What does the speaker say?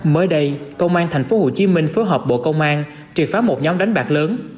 mới đây công an tp hcm phối hợp bộ công an triệt phá một nhóm đánh bạc lớn